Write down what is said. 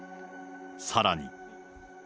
さらに。